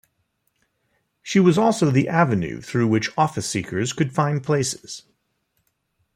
She was also the avenue through which office-seekers could find places.